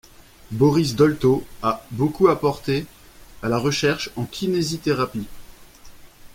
Boris Dolto a beaucoup apporté à la recherche en kinésithérapie.